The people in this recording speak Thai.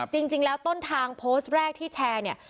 จริงแล้วต้นทางโพสต์แรกที่แชร์เนี่ย